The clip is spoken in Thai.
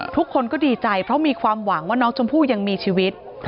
ทุกคนก็ดีใจเพราะมีความหวังว่าน้องชมพู่ยังมีชีวิต